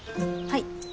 はい。